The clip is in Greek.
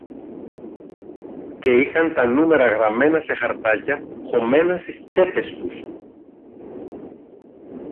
και είχαν τα νούμερα γραμμένα σε χαρτάκια χωμένα στις τσέπες τους